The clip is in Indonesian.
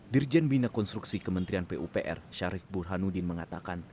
dirjen bina konstruksi kementerian pupr syarif burhanuddin mengatakan